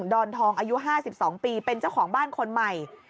ดอนทองอายุห้าสิบสองปีเป็นเจ้าของบ้านคนใหม่